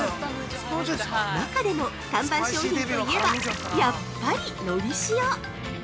中でも、看板商品といえばやっぱり「のり塩」！